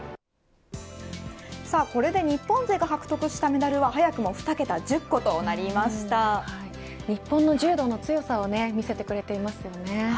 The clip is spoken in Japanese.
これで日本勢が獲得したメダルは早くも２桁日本の柔道の強さを見せてくれていますよね。